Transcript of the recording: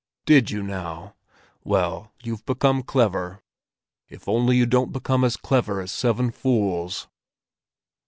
"Did you, now? Well, you've become clever—if only you don't become as clever as seven fools."